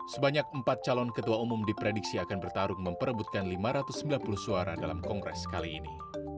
sebanyak empat calon ketua umum diprediksi akan bertarung memperebutkan lima ratus sembilan puluh suara dalam kongres kali ini